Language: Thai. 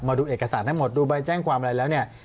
ดูเอกสารทั้งหมดดูใบแจ้งความอะไรแล้วเนี่ย